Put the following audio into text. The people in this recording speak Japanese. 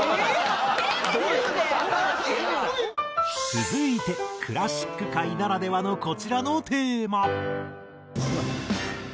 続いてクラシック界ならではのこちらのテーマ。